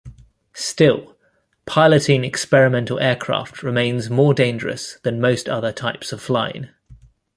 Still, piloting experimental aircraft remains more dangerous than most other types of flying.